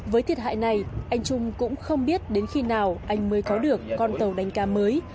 với thiệt hại này anh trung cũng không biết đến khi nào anh mới có được con tàu đánh cá mới